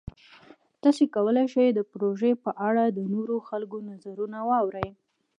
تاسو کولی شئ د پروژې په اړه د نورو خلکو نظرونه واورئ.